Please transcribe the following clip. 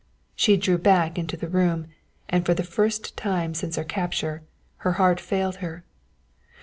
She drew back into the room, and for the first time since her capture, her heart failed her.